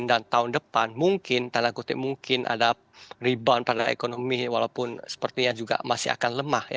dan tahun depan mungkin tanda kutip mungkin ada rebound pada ekonomi walaupun sepertinya juga masih akan lemah ya